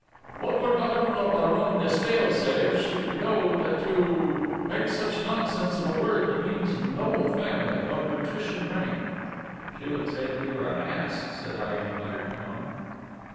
"What would Madame la Baronne de Stael say if she could know that you make such nonsense of a word that means noble family, of patrician rank?" "She would say that you were an ass!" said I in a muttered tone.